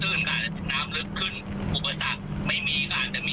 ของคนที่เขาไม่ค่อยเข้าใจพวกเราก็เยอะเหมือนกันนะครับ